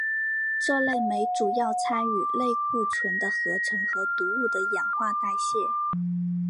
这类酶主要参与类固醇的合成和毒物的氧化代谢。